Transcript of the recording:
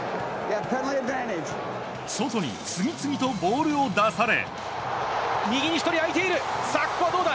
外に次々とボールを出され。